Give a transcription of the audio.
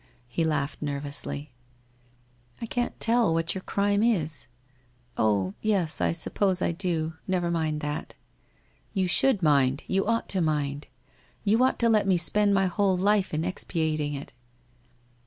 He laughed nervously. 1 I can't tell what your crime is — oh, yes, I suppose I do. Xever mind that.' ' You should mind, you ought to mind. You ought to let me spend my whole life in expiating it.'